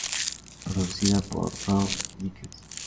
Producida por Rob Dickens.